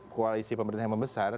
koalisi pemerintah yang membesar